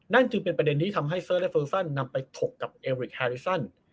จึงเป็นประเด็นที่ทำให้เซอร์และเฟอร์ซันนำไปถกกับเอริกแฮริสัน